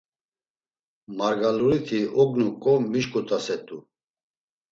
Margaluriti ognuǩo mişǩut̆aset̆u.